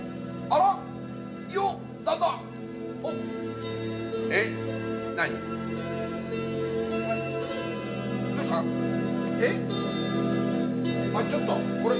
あっちょっとこれ。